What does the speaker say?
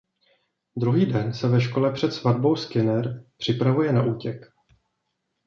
Druhý den se ve škole před svatbou Skinner připravuje na útěk.